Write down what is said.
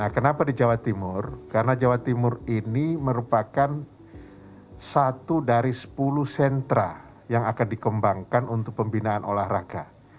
kenapa di jawa timur karena jawa timur ini merupakan satu dari sepuluh sentra yang akan dikembangkan untuk pembinaan olahraga